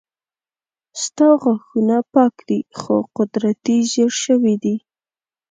ستا غاښونه پاک دي خو قدرتي زيړ شوي دي